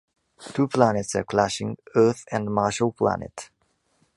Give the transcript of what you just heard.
Two planets are clashing, Earth and Marshall Planet.